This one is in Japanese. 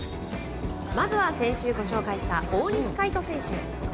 まず先週ご紹介した大西魁斗選手。